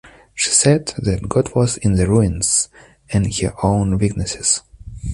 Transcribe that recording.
She said that God was in the ruins and in her own weaknesses.